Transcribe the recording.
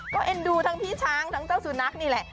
ก็เอ็นดูทั้งพี่ช้างทั้งเจ้าสุนัขนี่แหละ